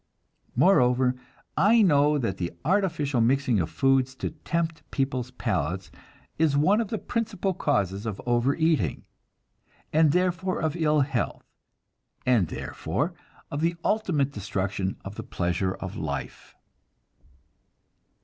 Moreover, I know that the artificial mixing of foods to tempt peoples' palates is one of the principal causes of overeating, and therefore of ill health, and therefore of the ultimate destruction of the pleasures of life.